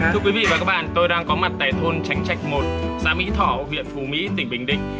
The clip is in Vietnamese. thưa quý vị và các bạn tôi đang có mặt tại thôn tránh trạch một xã mỹ thỏ huyện phù mỹ tỉnh bình định